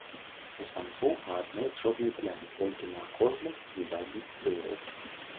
У самцоў па адной чорнай пляме толькі на кожным з задніх крылаў.